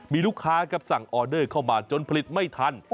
มีลูกค้าครับสั่งออเดอร์เข้ามาจนผลิตไม่ทัน